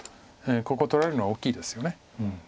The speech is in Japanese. ここ取られるのは大きいですよね。